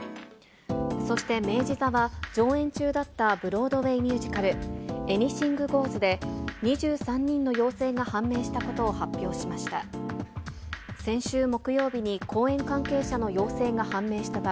そして明治座は、上演中だったブロードウェイ・ミュージカル、エニシング・ゴーズで、２３人の陽性が判明したことを発表しました。